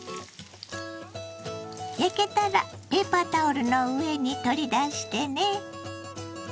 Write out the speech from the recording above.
焼けたらペーパータオルの上に取り出してね。